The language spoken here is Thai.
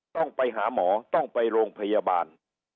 ต้องไปหาหมอต้องไปโรงพยาบาล